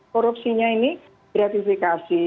korupsinya ini gratifikasi